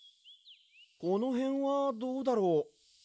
このへんはどうだろう。